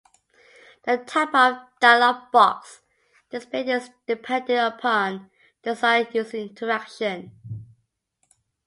The type of dialog box displayed is dependent upon the desired user interaction.